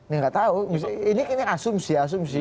ini nggak tahu ini asumsi asumsi